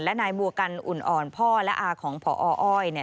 และนายบัวกันอุ่นอ่อนพ่อและอาของพออ้อยเนี่ย